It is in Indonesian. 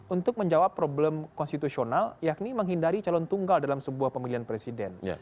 untuk menjawab problem konstitusional yakni menghindari calon tunggal dalam sebuah pemilihan presiden